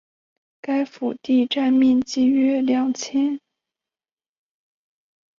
该府第占地面积约两千平方米。